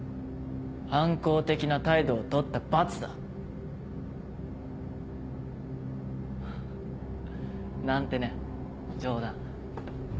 反抗的な態度を取った罰だ。なんてね冗談。